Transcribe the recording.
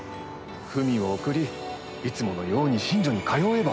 文を送りいつものように寝所に通えば。